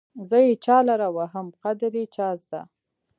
زه يې چالره وهم قدر يې چازده